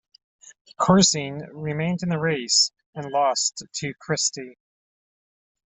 Corzine remained in the race and lost to Christie.